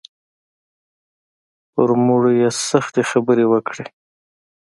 پر مړو یې سختې خبرې وکړې.